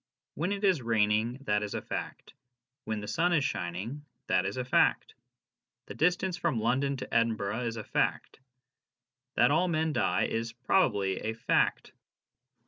When it is raining, that is a fact ; when the sun is shining, that is a fact. The distance from London to Edinburgh is a fact. That all men die is probably a fact.